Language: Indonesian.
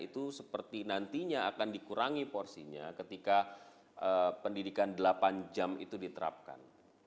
itu seperti nantinya akan dikurangi porsinya ketika pendidikan delapan jam itu diterapkan